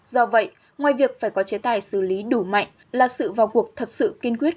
do vậy ngoài việc phải có chế tài xử lý đủ mạnh là sự vào cuộc thật sự kiên quyết